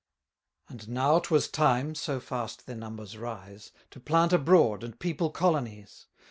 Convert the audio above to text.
And now 'twas time (so fast their numbers rise) To plant abroad, and people colonies.